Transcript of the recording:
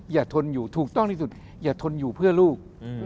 ทนอยู่ถูกต้องที่สุดอย่าทนอยู่เพื่อลูก